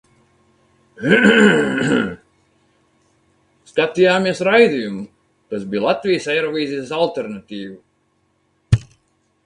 Skatījāmies raidījumu, kas bija Latvijas Eirovīzijas alternatīva.